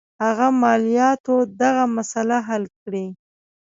هغه مالیاتو دغه مسله حل کړي.